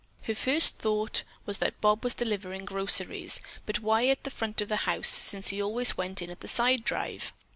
Her first thought was that Bob was delivering groceries, but why at the front of the house, since he always went in at the side drive?